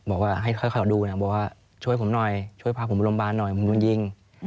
บอกว่าให้เขาดูบอกว่าช่วยผมหน่อยช่วยพาผมไปโรงพยาบาลหน่อยผมโดนยิง